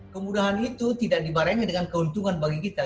kemudahan itu tidak dibarengi dengan keuntungan bagi kita